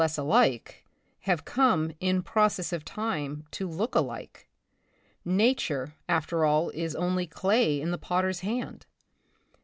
less alike, have come, in process of time, to look alike. Nature, after all, is only clay in the potter's hand.